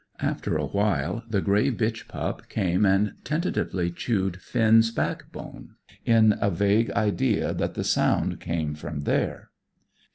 After a while the grey bitch pup came and tentatively chewed Finn's backbone, with a vague idea that the sound came from there.